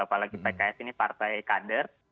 apalagi pks ini partai kader